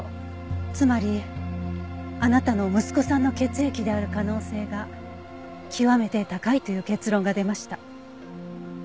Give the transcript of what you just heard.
つまりあなたの息子さんの血液である可能性が極めて高いという結論が出ました。